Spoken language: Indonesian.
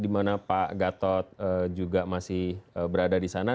di mana pak gatot juga masih berada di sana